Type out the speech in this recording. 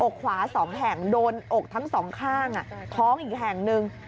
ขวา๒แห่งโดนอกทั้งสองข้างท้องอีกแห่งหนึ่ง